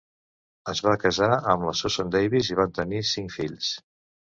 Es va casar amb la Susan Davis i van tenir cinc fills.